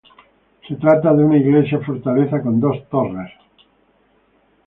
Se trata de una iglesia-fortaleza con dos torres.